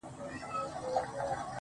o لـه ژړا دي خداى را وساته جانـانـه.